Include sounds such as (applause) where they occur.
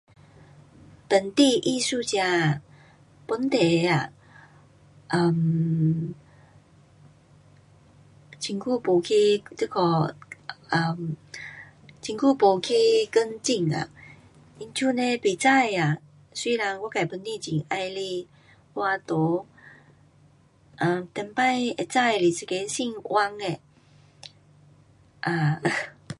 本地艺术家啊，本地的啊？um 很久没去这个 um 很久没去跟进啊。因此呢不知啊，虽然我自本身很喜欢画图，um 以前会知的是一个姓旺的，um (laughs)